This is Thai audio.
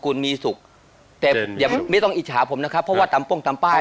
วันนี้เราเล่นที่นี่วันหน้าเราเล่นที่โคลาส